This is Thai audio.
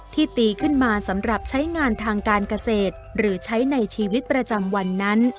ตีขึ้นมาสำหรับใช้งานทางการเกษตรหรือใช้ในชีวิตประจำวันนั้น